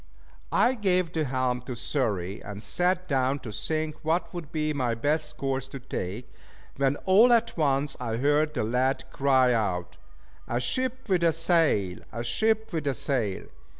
I gave the helm to Xury and sat down to think what would be my best course to take: when all at once I heard the lad cry out "A ship with a sail! A ship with a sail!"